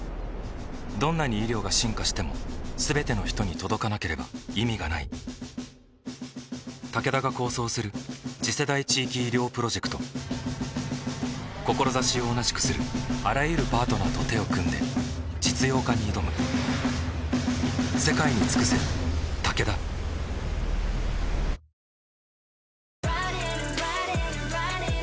どんなに医療が進化しても全ての人に届かなければ意味がないタケダが構想する次世代地域医療プロジェクト志を同じくするあらゆるパートナーと手を組んで実用化に挑むみんな！